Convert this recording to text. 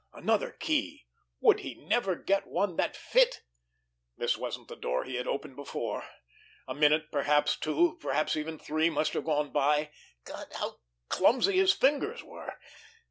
Another key! Would he never get one that would fit! This wasn't the door he had opened before. A minute, perhaps two, perhaps even three, must have gone by! God, how clumsy his fingers were!